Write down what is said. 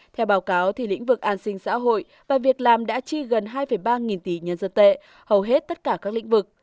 theo báo cáo lĩnh vực an sinh xã hội và việc làm đã chi gần hai ba nghìn tỷ nhân dân tệ hầu hết tất cả các lĩnh vực